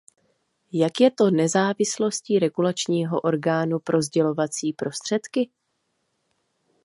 Jak je to nezávislostí regulačního orgánu pro sdělovací prostředky?